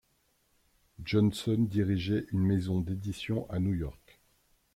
Johnson dirigeait une maison d'édition à New York.